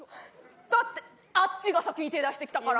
だってあっちが先に手出してきたから。